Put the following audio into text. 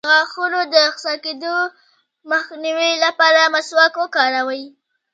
د غاښونو د خوسا کیدو مخنیوي لپاره مسواک وکاروئ